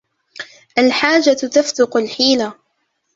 الحاجة تفتق الحيلة.